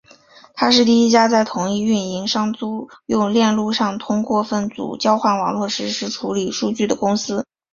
她是第一家在同一运营商租用链路上通过分组交换网络处理实时数据的公司。